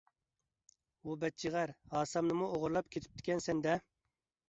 ھۇ بەچچىغەر، ھاسامنىمۇ ئوغرىلاپ كېتىپتىكەنسەن - دە!